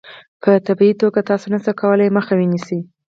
په طبیعي توګه تاسو نشئ کولای مخه ونیسئ.